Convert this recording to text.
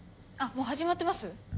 もう始まってます？